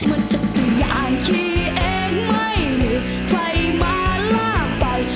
มันจะต้องอย่างขี้เองไม่มีใครมาลากไป